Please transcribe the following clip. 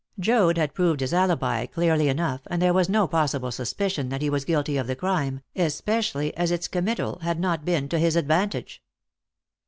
Joad had proved his alibi clearly enough, and there was no possible suspicion that he was guilty of the crime, especially as its committal had not been to his advantage.